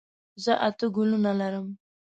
زه اته ګلونه لرم.